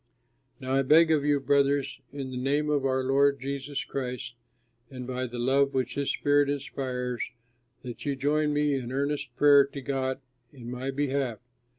Now I beg of you, brothers, in the name of our Lord Jesus Christ and by the love which his Spirit inspires, that you join me in earnest prayer to God in my behalf.